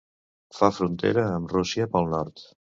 Fa frontera amb Rússia pel nord.